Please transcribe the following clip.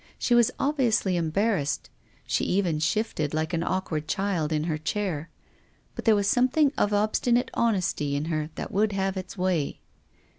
She was obviously cmbar rassed. She even shifted, like an awkward child, in her chair. But there was something of obsti nate honesty in her that would have its way.